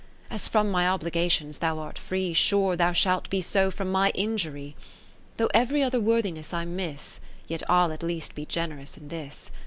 20 As from my obligations thou art free. Sure thou shalt be so from my injury. Though every other worthiness I miss, Yet I'll at least be generous in this.